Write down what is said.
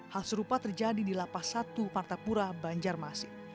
hal serupa terjadi di lapas satu martapura banjarmasin